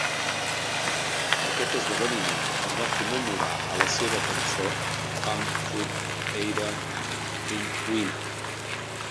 Aquest esdeveniment es va commemorar a la seva cançó Pam fod eira"n wyn?